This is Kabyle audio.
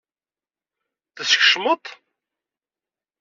Teskecmeḍ-t?